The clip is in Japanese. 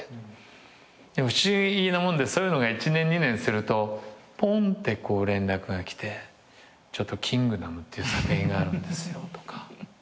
でも不思議なもんでそういうのが１年２年するとポンって連絡が来て『キングダム』っていう作品があるんですよとか。